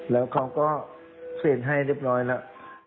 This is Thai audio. แล้วเขาก็เซ็นให้เรียบร้อยแล้ว